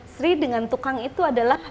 sri dengan tukang itu adalah